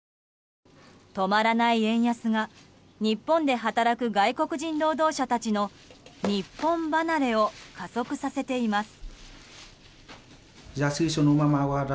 止まらない円安が日本で働く外国人労働者たちの日本離れを加速させています。